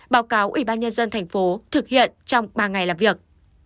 báo cáo ủy ban nhân dân tp hcm thực hiện trong ba ngày làm việc